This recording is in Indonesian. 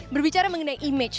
berbicara mengenai image